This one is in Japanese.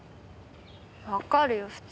わかるよ普通。